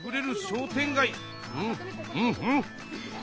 うんうんうん。